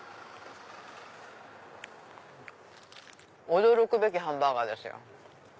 驚くべきハンバーガーですよ。